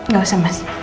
gak usah mas